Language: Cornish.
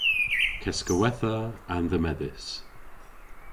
Keskowetha andhemedhys.